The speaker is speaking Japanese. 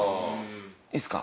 いいですか？